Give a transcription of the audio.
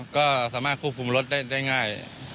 ก็สามารถควบคุมรถได้ง่าย